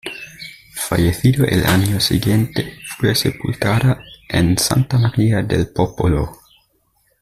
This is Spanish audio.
Fallecido el año siguiente, fue sepultado en Santa María del Popolo.